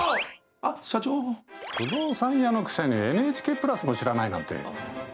不動産屋のくせにＮＨＫプラスも知らないなんて。